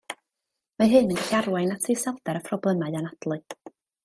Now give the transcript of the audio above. Mae hyn yn gallu arwain at iselder a phroblemau anadlu